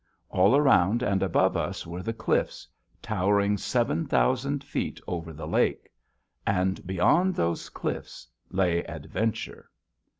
All around and above us were the cliffs, towering seven thousand feet over the lake. And beyond those cliffs lay adventure.